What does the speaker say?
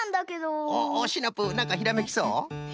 おっおっシナプーなんかひらめきそう？